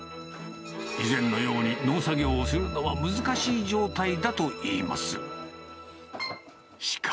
以前のように農作業するのは難しい状態だといいます。